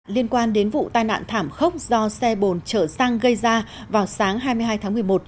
liên quan đến vụ tai nạn thảm khốc do xe bồn chở xăng gây ra vào sáng hai mươi hai tháng một mươi một